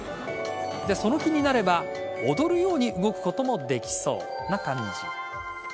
その気になれば踊るように動くこともできそうな感じ。